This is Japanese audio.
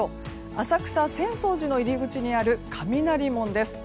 浅草・浅草寺の入り口にある雷門です。